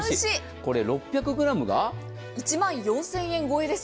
これ、６００ｇが１万４０００円超えです。